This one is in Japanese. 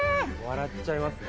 笑っちゃいますね。